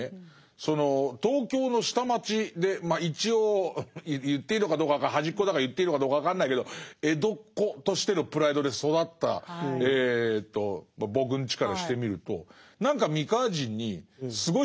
その東京の下町で一応言っていいのかどうか分からない端っこだから言っていいのかどうか分かんないけど江戸っ子としてのプライドで育った僕んちからしてみると何かそうですよね